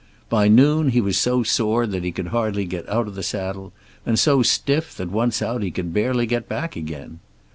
By noon he was so sore that he could hardly get out of the saddle, and so stiff that once out, he could barely get back again.